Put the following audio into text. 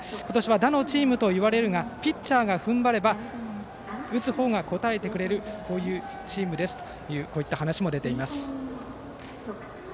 打のチームといわれるがピッチャーが踏ん張れば打つ方が応えてくれるというこういうチームですという話も出ています。